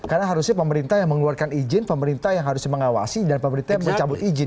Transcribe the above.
karena harusnya pemerintah yang mengeluarkan izin pemerintah yang harus mengawasi dan pemerintah yang mencabut izin